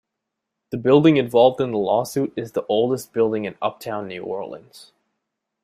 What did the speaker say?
The building involved in the lawsuit is the oldest building in Uptown New Orleans.